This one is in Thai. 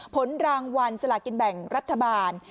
ผลรางวัลสลากินแบ่งรัฐบาล